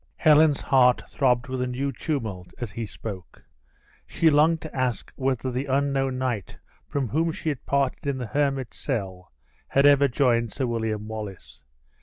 Helen's heart throbbed with a new tumult as he spoke. She longed to ask whether the unknown knight from whom she had parted in the hermit's cell, had ever joined Sir William Wallace.